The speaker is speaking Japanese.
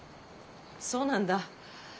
そうなんだ。